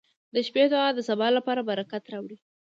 • د شپې دعا د سبا لپاره برکت راوړي.